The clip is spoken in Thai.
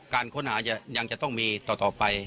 การค้นหายังจะต้องมีต่อไป